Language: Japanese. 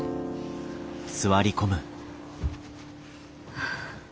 はあ。